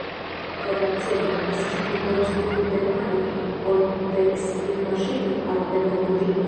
Por la cerbo, estas pli bone skribi permane ol per skribmaŝino aŭ per komputilo.